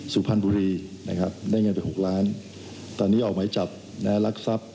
สุพรรณบุรีนะครับได้เงินไป๖ล้านตอนนี้ออกหมายจับรักทรัพย์